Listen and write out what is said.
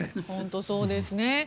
本当にそうですね。